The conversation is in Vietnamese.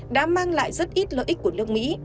đã mang lại rất ít lợi ích của nước mỹ